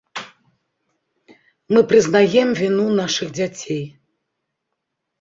Мы прызнаем віну нашых дзяцей.